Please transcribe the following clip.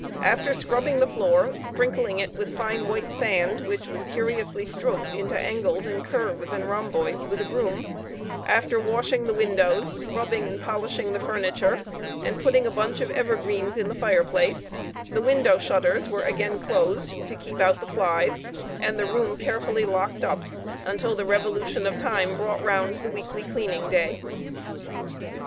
After scrubbing the floor, sprinkling it with fine white sand, which was curiously stroked into angles, and curves, and rhomboids with a broom; after washing the windows, rubbing and polishing the furniture, and putting a bunch of evergreens in the fireplace the window shutters were again closed to keep out the flies, and the room carefully locked up until the revolution of time brought round the weekly cleaning day.